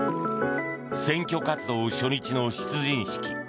選挙活動初日の出陣式。